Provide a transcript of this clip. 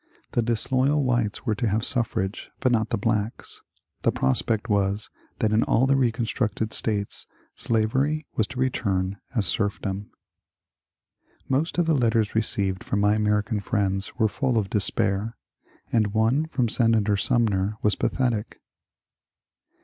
The disloyal whites were to have suffrage, but not the blacks. The pros pect was that in all the reconstructed States slavery was to return as serfdom. Most of the letters received from my American friends were full of despair, and one from Senator Sumner was pathetic.